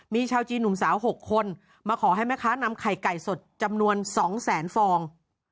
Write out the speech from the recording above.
มีชาวจีนหนุ่มสาว๖คนมาขอให้แม่ค้านำไข่ไก่สดจำนวน๒แสนฟอง